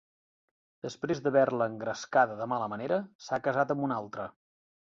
Després d'haver-la engrescada de mala manera s'ha casat amb una altra.